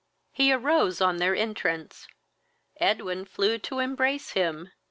He arose on their entrance. Edwin flew to embrace him.